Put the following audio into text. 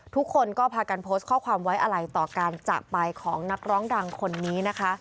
ทุกคนก็พากันโพสต์ข้อความไว้อะไรต่อการจากไปของนักร้องดังคนนี้นะคะ